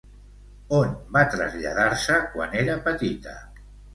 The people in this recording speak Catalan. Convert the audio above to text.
On va traslladar-se quan era petita?